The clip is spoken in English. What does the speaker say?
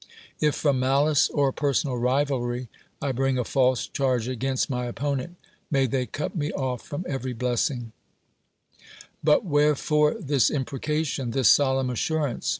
If from malice or per sonal rivalry I bring a falso charge against my opponent, may they cut me off from every bless ing But wherefore this imprecation, this solemn assurance?